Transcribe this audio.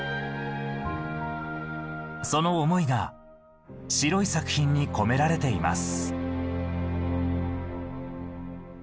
その思いが白い作品に込められています。